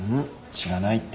知らないって。